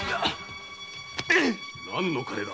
何の金だ‼